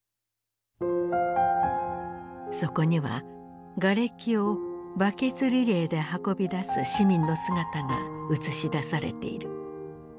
そこにはがれきをバケツリレーで運び出す市民の姿が映し出されている。